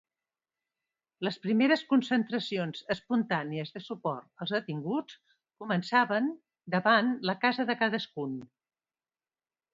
Les primeres concentracions espontànies de suport als detinguts començaven davant la casa de cadascun.